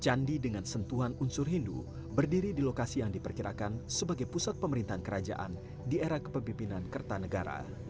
candi dengan sentuhan unsur hindu berdiri di lokasi yang diperkirakan sebagai pusat pemerintahan kerajaan di era kepemimpinan kertanegara